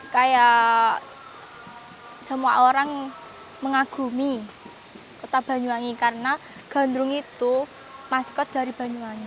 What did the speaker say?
kayak semua orang mengagumi kota banyuwangi karena gandrung itu maskot dari banyuwangi